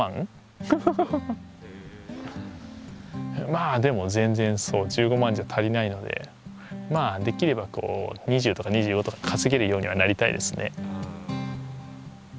まあでも全然１５万じゃ足りないのでまあできればこう２０とか２５とか稼げるようにはなりたいですね。